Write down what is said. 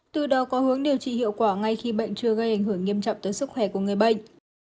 từ đó có hướng điều trị hiệu quả ngay khi bệnh chưa gây ảnh hưởng nghiêm trọng tới sức khỏe của người bệnh